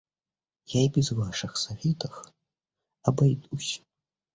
Я и без ваших советов обойдусь!